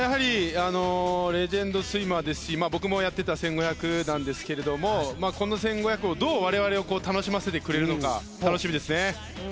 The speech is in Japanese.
レジェンドスイマーですし僕もやっていた１５００なんですがこの１５００でどう我々を楽しませてくれるのか楽しみですね。